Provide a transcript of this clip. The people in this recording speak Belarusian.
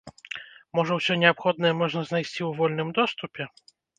Можа, усё неабходнае можна знайсці ў вольным доступе?